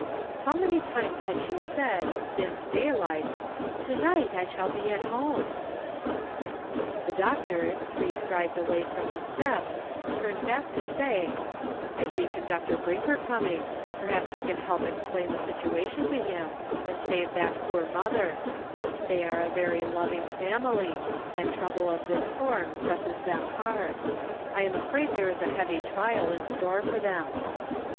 How many times had she said, since daylight, "To night I shall be at home?" The doctor, three strides away from the steps, turned back to say, " I see Conductor Brinker coming, perhaps you can help explain the situ ation to him, and save that poor mother; they 144 A TRYING POSITION. are a very loving family, and trouble of this form presses them hard ; I am afraid there is a heavy trial in store for them."